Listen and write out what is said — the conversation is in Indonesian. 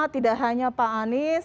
tidak hanya pak anies